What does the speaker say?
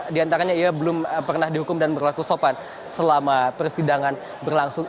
di antaranya ia belum pernah dihukum dan berlaku sopan selama persidangan berlangsung